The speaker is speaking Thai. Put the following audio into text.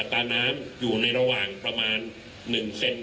คุณผู้ชมไปฟังผู้ว่ารัฐกาลจังหวัดเชียงรายแถลงตอนนี้ค่ะ